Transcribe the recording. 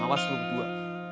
awas lu kedua